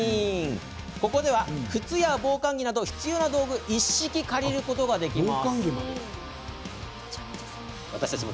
ここでは、靴や防寒着など必要な道具も一式借りることができます。